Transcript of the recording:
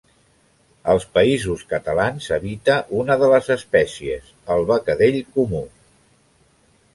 Als Països Catalans habita una de les espècies, el becadell comú.